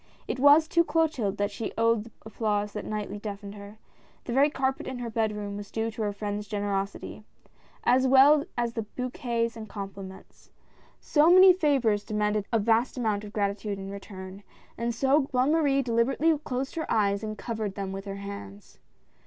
It was to Clotilde that she owed the applause that nightly deafened her — the very carpet in her bed room was due to her friend's generosity — as well as the bouquets and compliments. So many favors demanded a vast amount of gratitude in return, and so Bonne Marie deliberately closed her eyes and covered them with her hands.